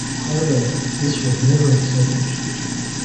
However, this was never accepted.